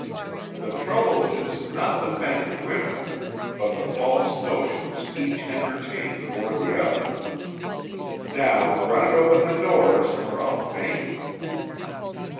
The trouble is, not the men and women, but the false notions each entertain toward the other. Now run and open the doors, or I'll faint."